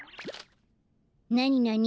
なになに？